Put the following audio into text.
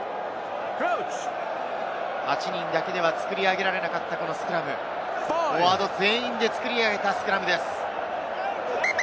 ８人だけでは作り上げられなかったこのスクラム、フォワード全員で作り上げたスクラムです。